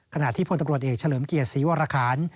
ขณะที่พลตำรวจเอกเฉลิมเกียรติศรีวรคาร